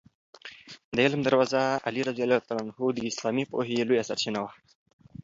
د علم دروازه علي رض د اسلامي پوهې لویه سرچینه وه.